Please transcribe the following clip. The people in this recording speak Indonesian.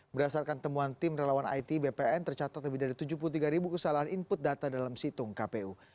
berdasarkan temuan tim relawan it bpn tercatat lebih dari tujuh puluh tiga ribu kesalahan input data dalam situng kpu